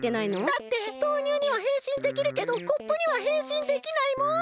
だって豆乳にはへんしんできるけどコップにはへんしんできないもん。